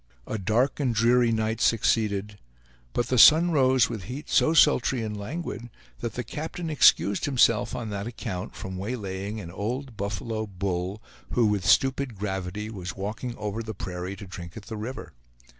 A dark and dreary night succeeded; but the sun rose with heat so sultry and languid that the captain excused himself on that account from waylaying an old buffalo bull, who with stupid gravity was walking over the prairie to drink at the river.